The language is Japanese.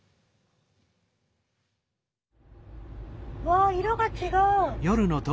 わ色が違う。